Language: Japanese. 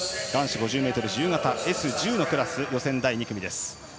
男子５０ｍ自由形のＳ１０クラス予選第２組。